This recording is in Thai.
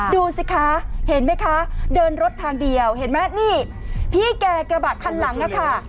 ดูสิคะเห็นไหมคะเดินรถทางเดียวเห็นไหมนี่พี่แกกระบะคันหลังค่ะ